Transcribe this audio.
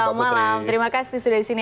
selamat malam terima kasih sudah di sini